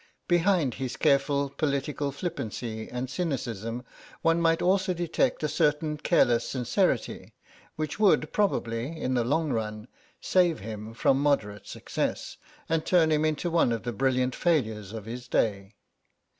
Behind his careful political flippancy and cynicism one might also detect a certain careless sincerity, which would probably in the long run save him from moderate success, and turn him into one of the brilliant failures of his day.